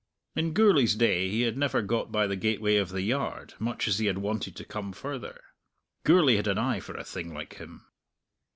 In Gourlay's day he had never got by the gateway of the yard, much as he had wanted to come further. Gourlay had an eye for a thing like him.